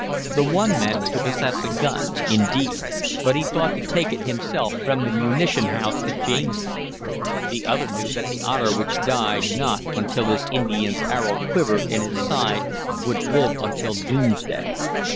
The one meant to possess a gun, indeed, but he thought to take it himself from the munition house at Jamestown; the other knew that the otter which died not until this Indian's arrow quivered in its side would live until doomsday.